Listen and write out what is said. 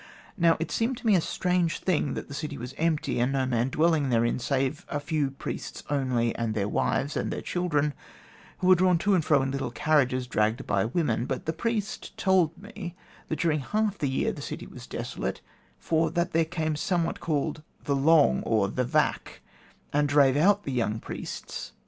Now it seemed to me a strange thing that the city was empty, and no man dwelling therein, save a few priests only, and their wives, and their children, who are drawn to and fro in little carriages dragged by women, but the priest told me that during half the year the city was desolate, for that there came somewhat called 'The Long,' or 'The Vac,' and drave out the young priests.